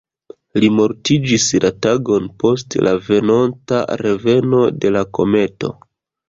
Li mortiĝis la tagon post la venonta reveno de la kometo.